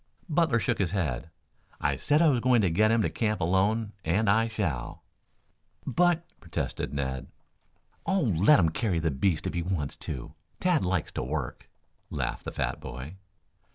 Butler shook his head. "I said I was going to get him to camp alone and I shall." "But " protested Ned. "Oh, let him carry the beast if he wants to. Tad likes to work," laughed the fat boy.